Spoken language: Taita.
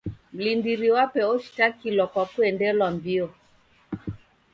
Mlindiri wape oshitakilwa kwa kuendelwa mbio.